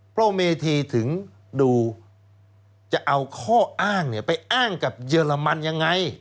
พระเมธีถึงดูจะเอาข้ออ้างไปอ้างกับเยอรมันยังไง